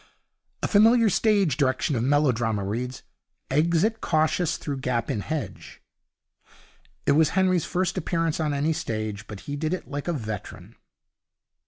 A familiar stage direction of melodrama reads, 'Exit cautious through gap in hedge'. It was Henry's first appearance on any stage, but he did it like a veteran.